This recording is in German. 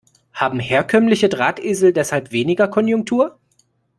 Haben herkömmliche Drahtesel deshalb weniger Konjunktur?